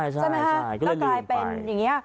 ใช่ก็เลยลืมไป